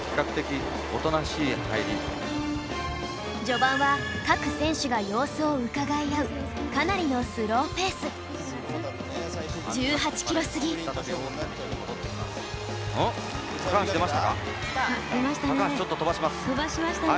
序盤は各選手が様子をうかがい合うかなりのスローペースあっ出ましたね。